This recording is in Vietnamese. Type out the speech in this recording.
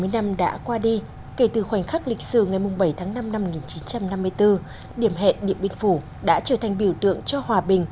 bảy mươi năm đã qua đi kể từ khoảnh khắc lịch sử ngày bảy tháng năm năm một nghìn chín trăm năm mươi bốn điểm hẹn điện biên phủ đã trở thành biểu tượng cho hòa bình